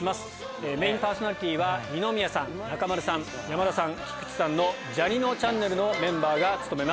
メインパーソナリティーは二宮さん中丸さん山田さん菊池さんの「ジャにのチャンネル」のメンバーが務めます。